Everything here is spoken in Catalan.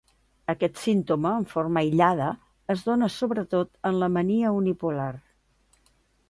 Aquest símptoma, en forma aïllada, es dóna sobretot en la mania unipolar.